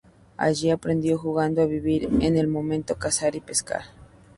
Allí aprendió jugando a vivir en el monte, cazar y pescar.